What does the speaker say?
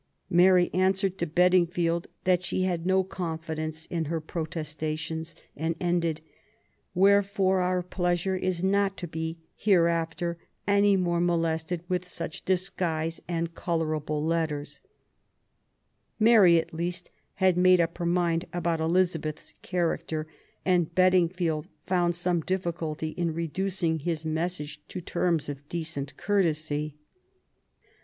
Mary an swered to Bedingfield that she had no confidence in her protestations, and ended, " wherefore our pleasure is not to be hereafter any more molested with such disguise and colourable letters. Mary, at least, had made up her mind about Elizabeth's character, and Bedingfield found some difficulty in reducing his message to terms of decent courtesy.